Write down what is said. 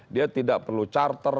dia tidak perlu charter